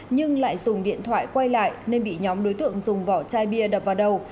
nhưng lại dùng điện thoại quay lại nên bị nhóm đối tượng dùng vỏ chai bia đập vào đầu